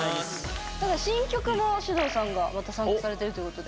ただ新曲もｓｙｕｄｏｕさんがまた参加されているということで。